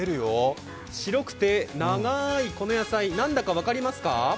白くて長いこの野菜、何だか分かりますか？